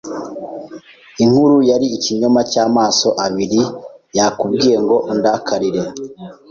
Inkuru yari ikinyoma cyamaso abiri yakubwiye ngo undakarire.